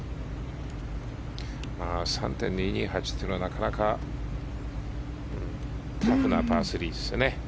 ３．２２８というのはなかなかタフなパー３ですよね。